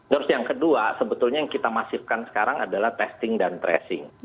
terus yang kedua sebetulnya yang kita masifkan sekarang adalah testing dan tracing